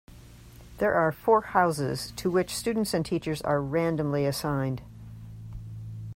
There are four houses to which students and teachers are randomly assigned.